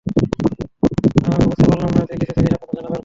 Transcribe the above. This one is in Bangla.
আর আমি বুঝতে পারলাম যে, কিছু জিনিস আপনার জানা দরকার।